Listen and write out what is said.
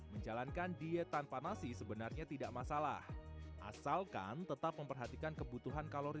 menjalankan diet tanpa nasi sebenarnya tidak masalah asalkan tetap memperhatikan kebutuhan kalori